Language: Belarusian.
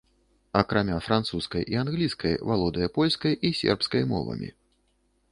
Акрамя французскай і англійскай валодае польскай і сербскай мовамі.